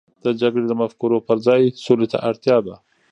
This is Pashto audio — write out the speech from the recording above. د جګړې د مفکورو پر ځای، سولې ته اړتیا ده.